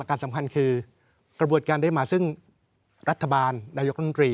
การสำคัญคือกระบวนการได้มาซึ่งรัฐบาลนายกรัฐมนตรี